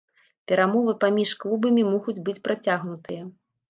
Перамовы паміж клубамі могуць быць працягнутыя.